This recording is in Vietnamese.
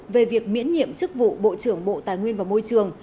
về việc miễn nhiệm chức vụ bộ trưởng bộ tài nguyên và môi trường